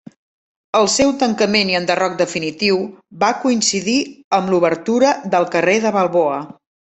El seu tancament i enderroc definitiu va coincidir amb l'obertura del carrer de Balboa.